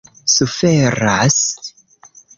suferas